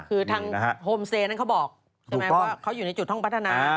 คือทางโฮมเซนั้นเขาบอกใช่ไหมว่าเขาอยู่ในจุดห้องพัฒนา